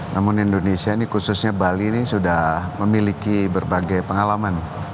namun indonesia ini khususnya bali ini sudah memiliki berbagai pengalaman